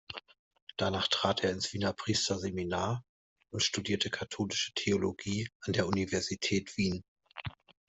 Danach trat er ins Wiener Priesterseminar und studierte katholische Theologie an der Universität Wien.